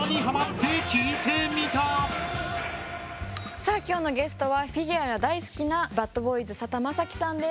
さあ今日のゲストはフィギュアが大好きなバッドボーイズ佐田正樹さんです。